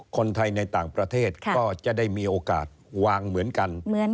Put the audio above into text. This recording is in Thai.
คนไทยในต่างประเทศก็จะได้มีโอกาสวางเหมือนกัน